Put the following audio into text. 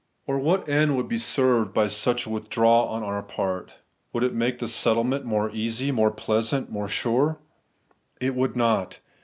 Or what end would be served by such a withdrawal on our part ? Would it make the settlement more easy, more pleasant, more sure? It would not.